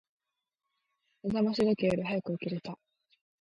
目覚まし時計より早く起きれた。